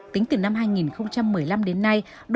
tính từ năm hai nghìn một mươi năm đến nay